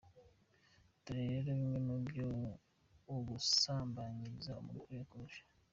Dore rero bimwe mubyo ugusambanyiriza umugore akurusha:.